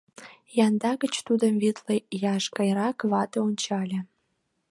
Янда гыч тудым витле ияш гайрак вате ончале.